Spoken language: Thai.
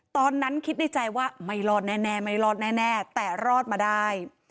ตอนนั้นคิดในใจว่าไม่รอดแน่ไม่รอดแน่แต่รอดมาได้